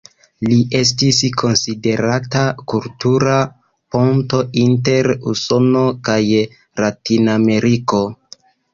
Li estis konsiderata kultura ponto inter Usono kaj Latinameriko.